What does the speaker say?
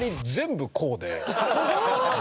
すごーい！